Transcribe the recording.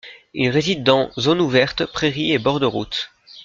Il réside dans zones ouvertes, prairies et bords de routes.